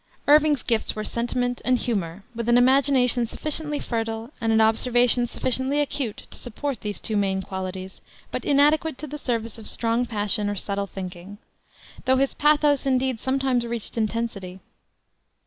Irving's gifts were sentiment and humor, with an imagination sufficiently fertile, and an observation sufficiently acute to support those two main qualities, but inadequate to the service of strong passion or subtle thinking, though his pathos, indeed, sometimes reached intensity.